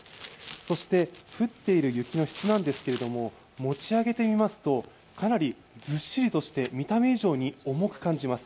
そして降っている雪の質なんですけれども、持ち上げてみますとかなりずっしりとして見た目以上に重く感じます。